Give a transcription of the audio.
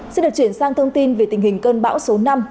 xin được chuyển sang thông tin về tình hình cơn bão số năm